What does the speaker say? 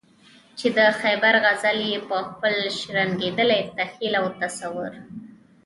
چې د خیبر غزل یې په خپل شرنګېدلي تخیل او تصور.